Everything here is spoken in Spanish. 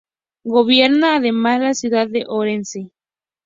Gobierna, además, la ciudad de Orense.